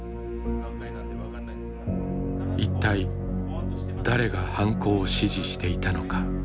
一体誰が犯行を指示していたのか。